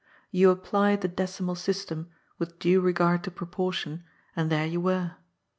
You applied the decimal system, with due regard to pro portion, and there you were.